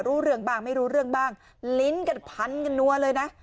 รู้เรื่องบ้างไม่รู้เรื่องบ้างลิ้นกันพันกันนัวเลยนะ